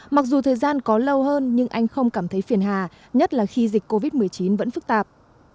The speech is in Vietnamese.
mặc dù thời gian có lâu hơn nhưng anh không cảm thấy phiền hà nhất là khi dịch covid một mươi chín vẫn phức tạp